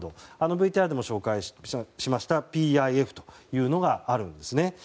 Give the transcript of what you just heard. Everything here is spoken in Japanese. ＶＴＲでも紹介しましたＰＩＦというのがあるんですね。